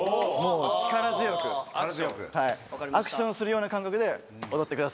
アクションするような感覚で踊ってください。